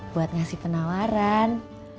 buat ngasih penawaran